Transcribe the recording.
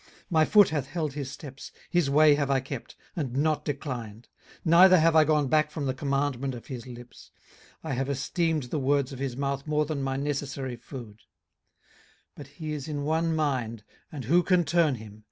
18:023:011 My foot hath held his steps, his way have I kept, and not declined. 18:023:012 Neither have I gone back from the commandment of his lips; I have esteemed the words of his mouth more than my necessary food. 18:023:013 But he is in one mind, and who can turn him?